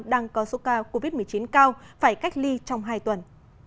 đang có số ca covid một mươi chín cao phải cách ly trong hai tuần